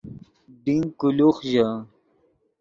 ڈین کولوخ ژے